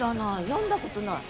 読んだことない。